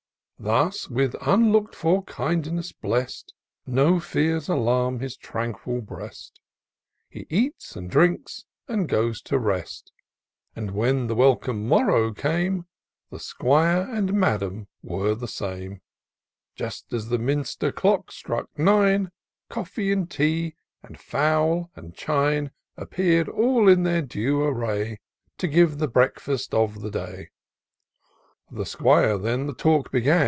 Thus, with unlook'd for kindness blest, No fears alarm his tranquil breast ; He eats, and drinks, and goes to rest ; And when the welcome morrow came. The. 'Squire and Madam were the same. IN SEARCH OF THE PICTURESQUE. Ill Just as the Minster clock struck nine, Coffee and tea, and fowl and chine. Appeared in all their due array, To give the breakfast of the day. The 'Squire then the talk began.